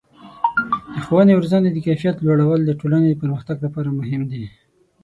د ښوونې او روزنې د کیفیت لوړول د ټولنې د پرمختګ لپاره مهم دي.